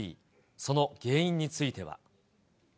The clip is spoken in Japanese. その原因については。